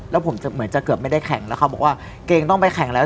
แล้วผมจะเหมือนจะเกือบไม่ได้แข่งแล้วเขาบอกว่าเกงต้องไปแข่งแล้ว